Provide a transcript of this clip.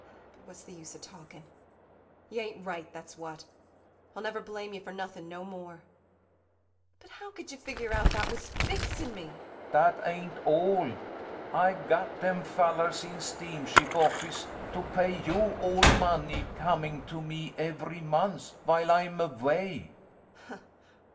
] But what's the use of talking. You ain't right, that's what. I'll never blame you for nothing no more. But how you could figure out that was fixing me ! CHRIS Dat ain't all. Ay gat dem fallars in steam ship office to pay you all money coming to me every month vhile Ay'm avay.